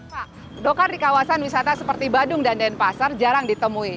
pak dokar di kawasan wisata seperti badung dan denpasar jarang ditemui